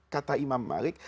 kata imam malik